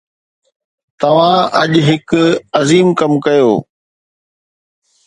توهان اڄ هڪ عظيم ڪم ڪيو